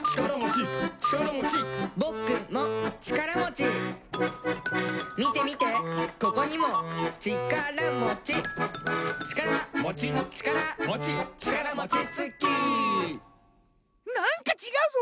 「ぼくもちからもち」「みてみてここにもちからもち」「ちから」「もち」「ちから」「もち」「ちからもちつき」なんかちがうぞ！